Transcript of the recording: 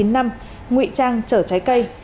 ngụy trang trở trái cây